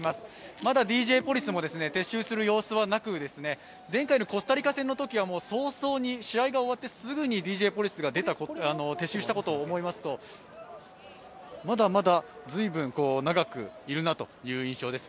まだＤＪポリスも撤収する様子はなくて、前回のコスタリカ戦のときは早々に、試合が終わってすぐにＤＪポリスが撤収したことを思いますと、まだまだずいぶん長くいるなという印象です。